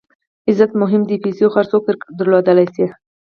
عزت مهم دئ، پېسې خو هر څوک درلودلای سي.